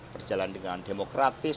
berjalan dengan demokratis